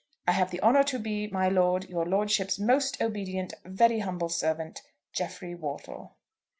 I have the honour to be, my lord, your lordship's most obedient, very humble servant, "JEFFREY WORTLE."